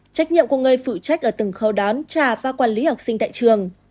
trách nhiệm của người phụ trách ở từng khâu đón trả và quản lý học sinh tại trường